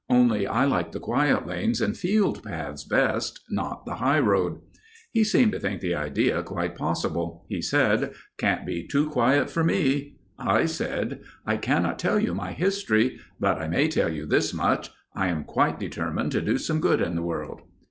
Only I like the quiet lanes and field paths best—not the high road." He seemed to think the idea quite possible. He said— "Can't be too quiet for me." I said— "I cannot tell you my history, but I may tell you this much: I am quite determined to do some good in the world."